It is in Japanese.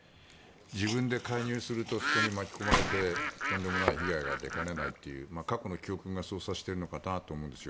自分で介入するとそこに巻き込まれてとんでもない被害が出かねないという過去の教訓がそうさせているのかなと思うんです。